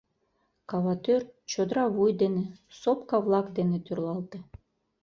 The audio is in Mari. Кава тӱр чодыра вуй дене, сопка-влак дене тӱрлалте.